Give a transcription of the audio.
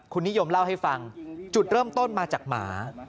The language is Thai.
คุณนิยมเล่าให้ฟังจุดเริ่มต้นมาจากหมา